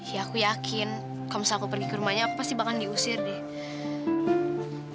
ya aku yakin kalau misalnya aku pergi ke rumahnya aku pasti bakalan diusir deh